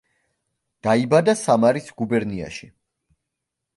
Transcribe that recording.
დაიბადა სამარის გუბერნიაში.